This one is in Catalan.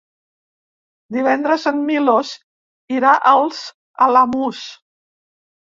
Divendres en Milos irà als Alamús.